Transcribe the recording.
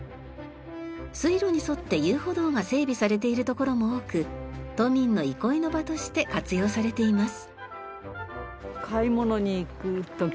水路に沿って遊歩道が整備されている所も多く都民の憩いの場として活用されています。